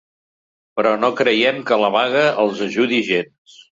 Però no creiem que la vaga els ajudi gens.